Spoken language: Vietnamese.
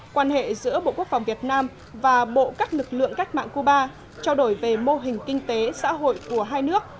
quan hệ giữa bộ quốc phòng việt nam và bộ các lực lượng cách mạng cuba trao đổi về mô hình kinh tế xã hội của hai nước